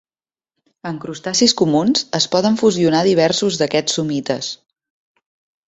En crustacis comuns, es poden fusionar diversos d'aquests somites.